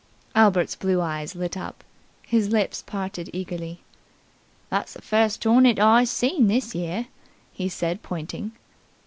Albert's blue eyes lit up. His lips parted eagerly, "That's the first hornet I seen this year," he said pointing.